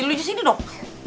liat dulu sini dong